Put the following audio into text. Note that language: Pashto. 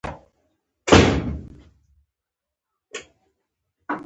په پوره باور او ځواک سره.